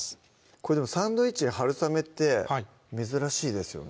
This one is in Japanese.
これでもサンドイッチにはるさめって珍しいですよね